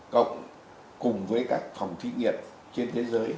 cộng cùng với các phòng thí nghiệm trên thế giới